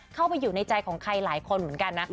เข้าไปอยู่ในใจของใครหลายคนเหมือนกันนะ